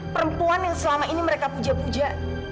perempuan yang selama ini mereka puja puja